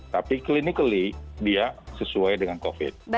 tapi clinically dia sesuai dengan covid